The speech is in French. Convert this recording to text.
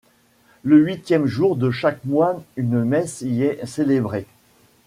Le huitième jour de chaque mois une messe y est célébrée.